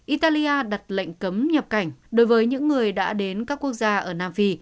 italia đặt lệnh cấm nhập cảnh đối với những người đã đến các quốc gia ở nam phi